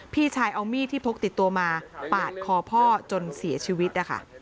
พี่ชายเอามีดที่พกติดตัวมาปาดคอพ่อจนเสียชีวิตนะคะ